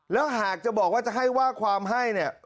แล้วหากจะบอกว่าจะให้ว่าความให้เนี่ย